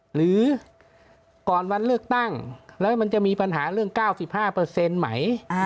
หรือก่อนวันเลือกตั้งแล้วมันจะมีปัญหาเรื่อง๙๕ไหม